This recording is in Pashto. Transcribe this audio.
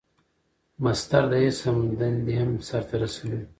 مصدر د اسم دندې هم سر ته رسوي.